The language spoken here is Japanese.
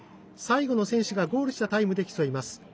最後の選手がゴールしたタイムで競います。